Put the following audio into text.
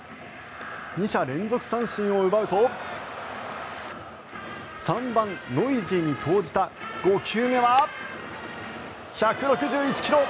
２者連続三振を奪うと３番、ノイジーに投じた５球目は１６１ｋｍ！